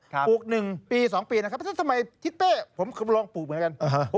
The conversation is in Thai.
ปลูก๑ปี๒ปีสมัยทิศเป๊ะผมลองปลูกเหมือนกัน